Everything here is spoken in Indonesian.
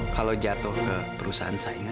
kalau jatuh ke perusahaan saya